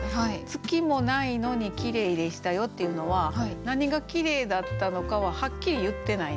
「月もないのに綺麗でしたよ」っていうのは何が綺麗だったのかははっきり言ってないんですよね。